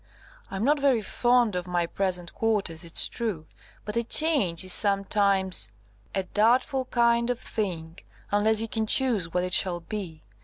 I'm not very fond of my present quarters, it's true, but a change is sometimes a doubtful kind of thing, unless you can choose what it shall be.